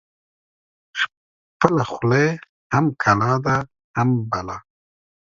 خپله خوله هم کلا ده هم بلا.